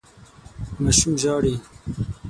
ماشوم ژاړي.